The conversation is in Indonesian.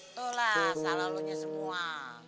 itulah salah lo nya semua